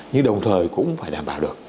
nhưng đồng thời cũng phải đảm bảo được